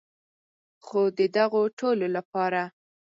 خو د دغو ټولو لپاره.